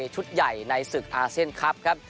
ชุดใหญ่ในศึกอาเซียนคลับครับ